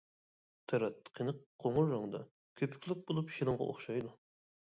تەرەت قېنىق قوڭۇر رەڭدە، كۆپۈكلۈك بولۇپ شىلىمغا ئوخشايدۇ.